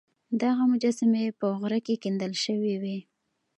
دغه مجسمې په غره کې کیندل شوې وې